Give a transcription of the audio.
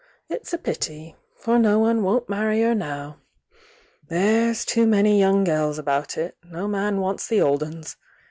It's a pity!— for no one won't marry her now. There's too many young gels about,— no man wants the old 'uns.